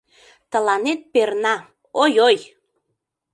Тыланет перна — ой-ой!